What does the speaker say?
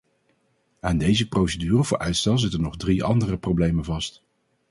Aan deze procedure voor uitstel zitten nog drie andere problemen vast.